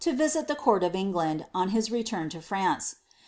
visit the roiirt of England, on his reLuni lo France.'